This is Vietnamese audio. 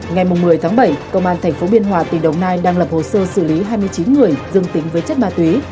ngày một mươi tháng bảy công an tp biên hòa tỉnh đồng nai đang lập hồ sơ xử lý hai mươi chín người dương tính với chất ma túy